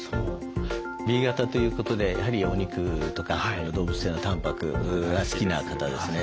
Ｂ型ということでやはりお肉とか動物性のたんぱくが好きな方ですね。